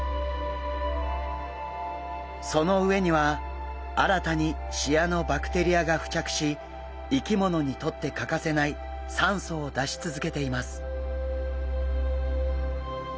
その上には新たにシアノバクテリアが付着し生き物にとって欠かせない酸素を出し続けています。